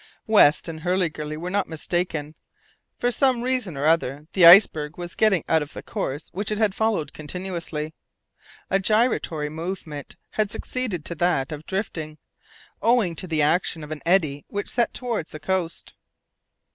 West and Hurliguerly were not mistaken. For some reason or other the iceberg was getting out of the course which it had followed continuously. A giratory movement had succeeded to that of drifting, owing to the action of an eddy which set towards the coast.